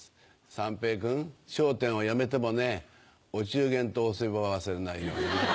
三平君『笑点』をやめてもねお中元とお歳暮は忘れないようにね。